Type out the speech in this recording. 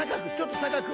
高く。